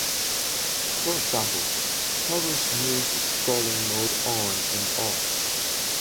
For example, toggles smooth scrolling mode on and off.